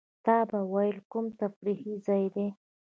تا به وېل کوم تفریحي ځای دی.